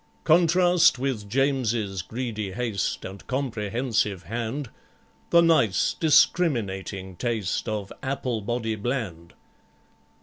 Contrast with JAMES'S greedy haste And comprehensive hand, The nice discriminating taste Of APPLEBODY BLAND.